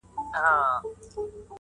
نور درته نه وايم نفس راپسې وبه ژاړې_